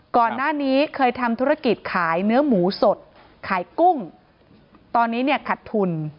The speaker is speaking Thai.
ก่อนหน้านี้เคยทำธุรกิจขายเนื้อหมูสดขายกุ้งตอนนี้เนี่ยขัดทุน